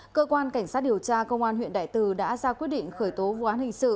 cơ quan cảnh sát điều tra công an huyện đại từ đã ra quyết định khởi tố vụ án hình sự